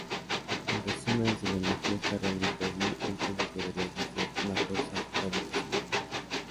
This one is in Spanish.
En resumen, si la energía está "realmente allí", entonces debería ejercer una fuerza gravitacional.